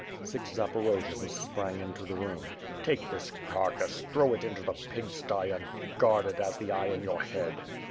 Six Zaporojians sprang into the room. "Take this carcass, throw it into the pig sty and guard it as the eye in your head?"